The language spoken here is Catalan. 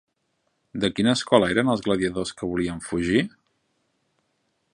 De quina escola eren els gladiadors que volien fugir?